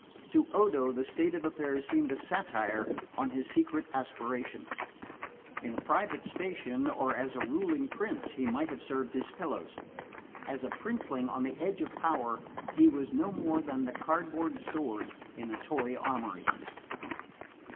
To Odo the state of affairs seemed a satire on his secret aspirations. In a private station or as a ruling prince he might have served his fellows: as a princeling on the edge of power he was no more than the cardboard sword in a toy armoury.